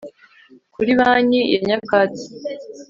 Kuri banki ya nyakatsi